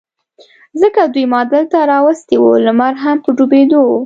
ځکه دوی ما دلته را وستي و، لمر هم په ډوبېدو و.